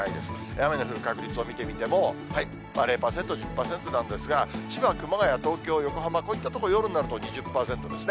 雨の降る確率を見てみても、０％、１０％なんですが、千葉、熊谷、東京、横浜、こういった所、夜になると２０％ですね。